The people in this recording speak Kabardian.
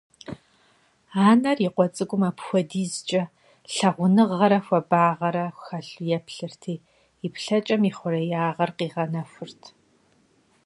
Анэр и къуэ цӏыкӏум апхуэдизкӀэ лъагъуныгъэрэ хуабагъэрэ хэлъу еплъырти, и плъэкӏэм ихъуреягъыр къигъэнэхурт.